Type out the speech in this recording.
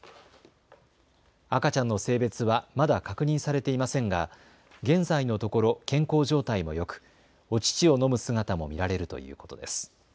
赤ちゃんの性別はまだ確認されていませんが現在のところ健康状態もよくお乳を飲む姿も見られるということです。